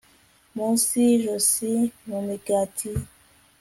Munsi y ijosi mumigati ye